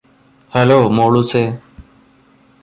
Hello മോളൂസേ.